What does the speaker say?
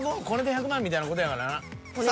これで１００万みたいな事やからな。